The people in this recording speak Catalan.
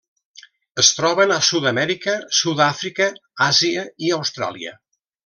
Es troben a Sud-amèrica, Sud-àfrica, Àsia i Austràlia.